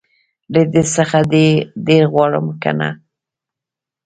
له دې څخه دي ډير غواړم که نه